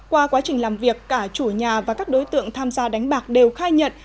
qua quá trình làm việc cả chủ nhà và các đối tượng tham gia đánh bạc đều khai nhận